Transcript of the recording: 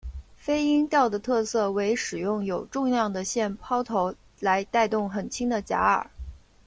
飞蝇钓的特色为使用有重量的线抛投来带动很轻的假饵。